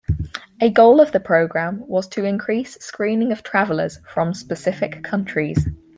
A goal of the program was to increase screening of travelers from specific countries.